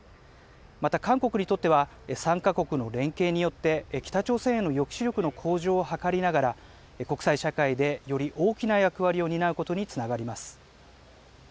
また韓国にとっては、３か国の連携によって、北朝鮮への抑止力の向上を図りながら、国際社会でより大きな役割を担うことにつながります。